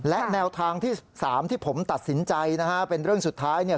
และแนวทางที่๓ที่ผมตัดสินใจเป็นเรื่องสุดท้าย